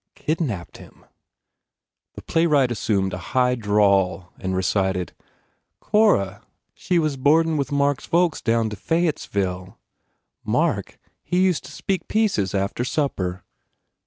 "Kidnapped him." The playwright assumed a high drawl and recited, "Cora, she was boardin with Mark s folks down to Fayettesville. Mark, he used to speak pieces after supper.